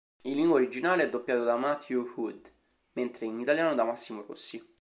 In lingua originale è doppiato da Matthew Wood, mentre in italiano da Massimo Rossi.